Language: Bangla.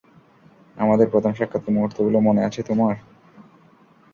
আমাদের প্রথম সাক্ষাতের মুহূর্তগুলো মনে আছে তোমার?